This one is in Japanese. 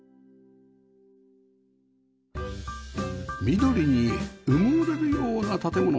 緑に埋もれるような建物